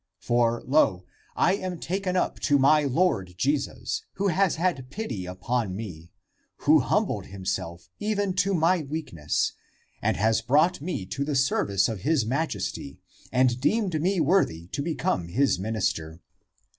For, lo, I am taken up to my Lord Jesus, who has had pity upon me, who hum bled himself even to my weakness and has brought me to the service of his majesty and deemed me worthy to become his minister.